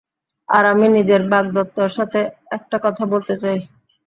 আর আমি নিজের বাগদত্তর সাথে একটা কথা বলতে চাই।